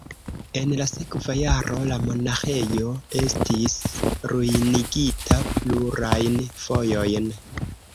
En la sekvaj jaroj la monaĥejo estis ruinigita plurajn fojojn.